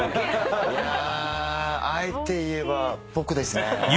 いやあえていえば僕ですね。